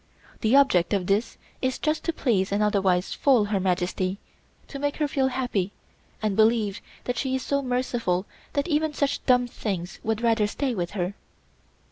The object of this is just to please and otherwise fool Her Majesty, to make her feel happy and believe that she is so merciful that even such dumb things would rather stay with her."